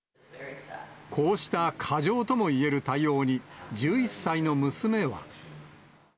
こうした過剰ともいえる対応に、１１歳の娘は。